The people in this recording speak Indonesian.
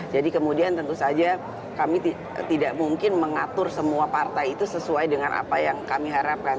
jadi kemudian tentu saja kami tidak mungkin mengatur semua partai itu sesuai dengan apa yang kami harapkan